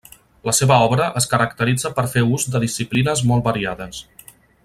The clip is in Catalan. La seva obra es caracteritza per fer ús de disciplines molt variades.